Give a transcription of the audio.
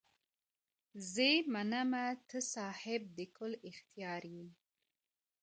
زې منمه ته صاحب د کُل اختیار یې.